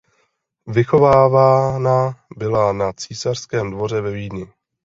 Vychovávána byla na císařském dvoře ve Vídni.